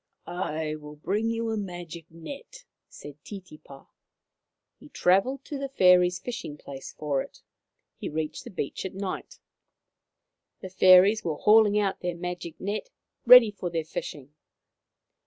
" I will bring you a magic net/' said Titipa. He travelled to the fairies' fishing place for it. He reached the beach at night. The fairies were hauling out their magic net ready for their fishing.